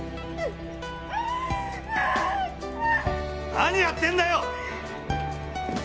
・何やってんだよ！